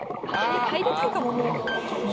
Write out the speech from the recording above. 入りたいかももう。